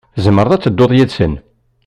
Tzemreḍ ad tedduḍ yid-sen.